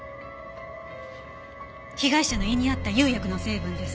被害者の胃にあった釉薬の成分です。